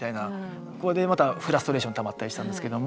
これでまたフラストレーションたまったりしたんですけども。